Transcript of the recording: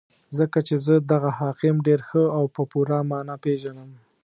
ځکه چې زه دغه حاکم ډېر ښه او په پوره مانا پېژنم.